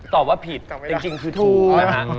ตอบว่าผิดจริงถูก